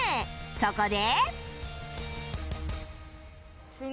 そこで